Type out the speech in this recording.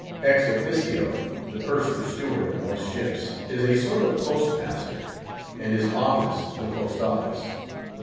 Ex officio, the Purser's Steward of most ships is a sort of postmaster, and his office the post office.